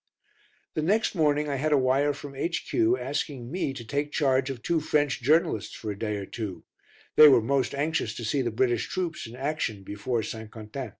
The next morning I had a wire from H.Q. asking me to take charge of two French journalists for a day or two; they were most anxious to see the British troops in action before St. Quentin.